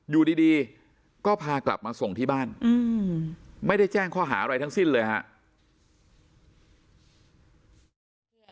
อยู่ดีก็พากลับมาส่งที่บ้านไม่ได้แจ้งข้อหาอะไรทั้งสิ้นเลยครับ